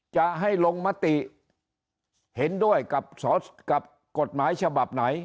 จะให้ลงมติเห็นด้วยกับกฎหมายฉบับไหน